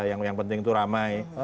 yang penting itu ramai